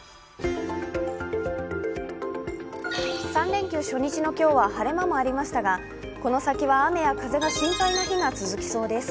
３連休初日の今日は晴れ間もありましたが、この先は雨や風が心配な日が続きそうです。